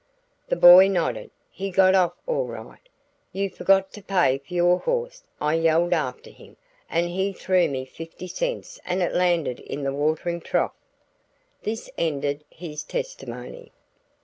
The boy nodded. "He got off all right. 'You forgot to pay for your horse,' I yelled after him, and he threw me fifty cents and it landed in the watering trough." This ended his testimony.